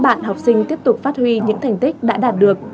các bạn học sinh tiếp tục phát huy những thành tích đã đạt được